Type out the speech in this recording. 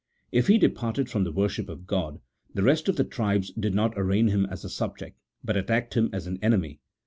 If he departed from the worship of God, the rest of the tribes did not arraign him as a subject, but attacked him as an enemy.